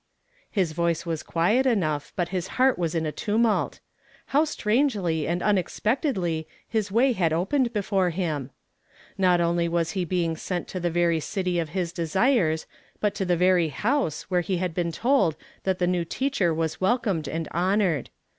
His voice was quiet enough, but his heart was in a tumult. How strangely and unexpectedly his way had opened 136 YESTERDAY FItAMED IN TO DAY. before him ! Not only was lie being sent to the very city of his desires, but to the very house where he had been told that the new teaclier was welcomed and honored.